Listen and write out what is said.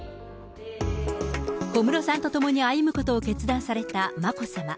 小室さんと共に歩むことを決断された眞子さま。